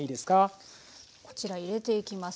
こちら入れていきます。